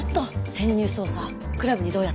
潜入捜査クラブにどうやって？